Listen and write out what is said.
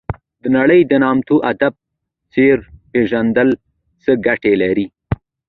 د نړۍ د نامتو ادبي څیرو پېژندل څه ګټه لري.